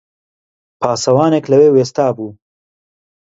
پاسەوانێک لەوێ وێستابوو